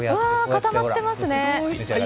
かたまってますね。